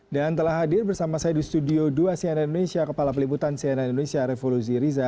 dan telah hadir bersama saya di studio dua cnn indonesia kepala peliputan cnn indonesia revolusi riza